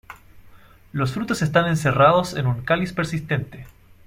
Los frutos están encerrados en un cáliz persistente.